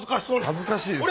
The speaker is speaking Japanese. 恥ずかしいですよね。